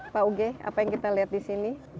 pak uge apa yang kita lihat di sini